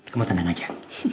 kamu tanda aja